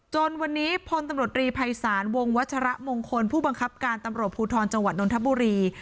จนวันนี้พลตำรวจรีภัยศาลวงวัชระมงคลผู้บังคับการตำรวจภูทรจังหวัดนนทบุรี